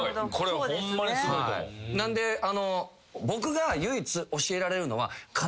僕が唯一教えられるのは。